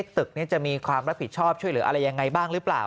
ตึกนี้จะมีความรับผิดชอบช่วยเหลืออะไรยังไงบ้างหรือเปล่า